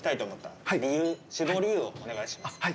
お願いします。